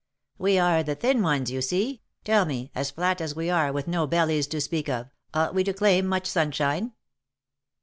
We are the Thin ones, you see. Tell me, as flat as we are, with no bellies to speak of, ought we to claim much sunshine?"